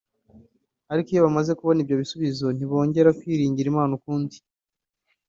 ariko iyo bamaze kubona ibyo bisubizo ntibongera kwiringira Imana ukundi